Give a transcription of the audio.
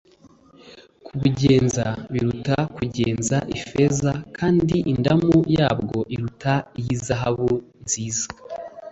kubugenza biruta kugenza ifeza kandi indamu yabwo iruta iy’izahabu nziza.